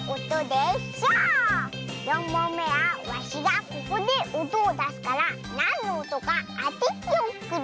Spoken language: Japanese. ４もんめはわしがここでおとをだすからなんのおとかあてておくれ。